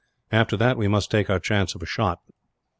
After that, we must take our chance of a shot."